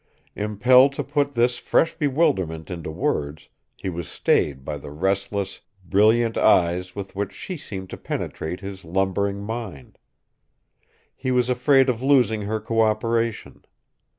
Impelled to put this fresh bewilderment into words, he was stayed by the restless, brilliant eyes with which she seemed to penetrate his lumbering mind. He was afraid of losing her cooperation.